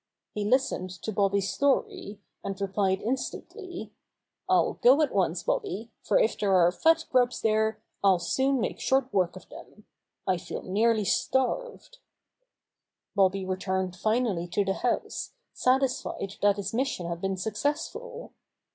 He listened to Bobby's The Big Tree Is to Be Cut Down 63 story, and replied instantly: "I'll go at once, Bobby, for if there are fat grubs there I'll soon make short work of them. I feel nearly starved." Bobby returned finally to the house, satis fied that his mission had been successful.